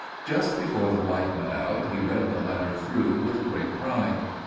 Just before the light went out he read the letter through with great pride.